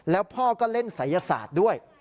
แล้วพ่อก็เล่นศัยศาสตร์ด้วย